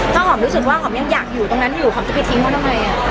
ถ้าหอมรู้สึกว่าหอมยังอยากอยู่ตรงนั้นอยู่หอมจะไปทิ้งเขาทำไม